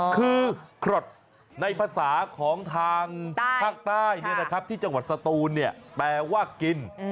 คือครดในภาษาของทางภาคใต้นะครับที่จังหวัดสตูนเนี่ยแปลว่ากิน